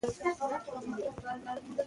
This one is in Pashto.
خواړه باید ژر یخچال ته واچول شي.